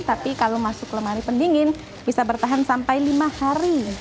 tapi kalau masuk lemari pendingin bisa bertahan sampai lima hari